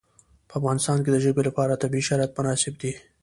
په افغانستان کې د ژبې لپاره طبیعي شرایط مناسب دي.